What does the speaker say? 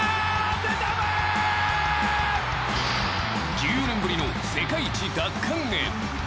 １４年ぶりの世界一奪還へ。